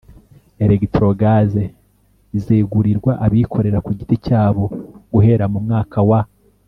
“electrogaz" izegurirwa abikorera ku giti cyabo guhera mu mwaka wa